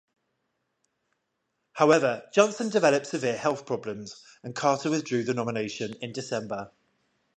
However Johnson developed severe health problems and Carter withdrew the nomination in December.